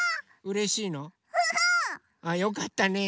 うん！よかったね。